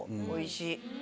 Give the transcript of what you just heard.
おいしい。